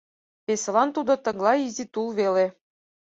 Весылан тудо тыглай изи тул веле.